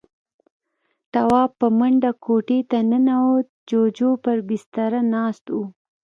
تواب په منډه کوټې ته ننوت. جُوجُو پر بستره ناست و.